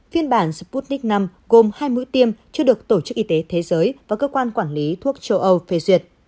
phiên bản sputnik v gồm hai mũi tiêm chưa được tổ chức y tế thế giới và cơ quan quản lý thuốc châu âu phê duyệt